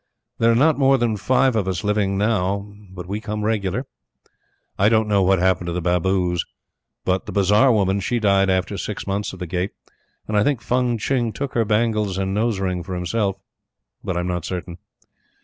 There are not more than five of us living now, but we come regular. I don't know what happened to the Baboos; but the bazar woman she died after six months of the Gate, and I think Fung Tching took her bangles and nose ring for himself. But I'm not certain.